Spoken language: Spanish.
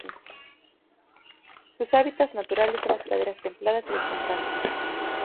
Sus hábitats naturales son las praderas templadas y los pantanos.